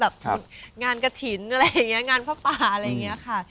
งานกระถิ่นอะไรอย่างนี้งานพระป่าอะไรอย่างนี้ค่ะ